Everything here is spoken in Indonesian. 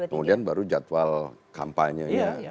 kemudian baru jadwal kampanye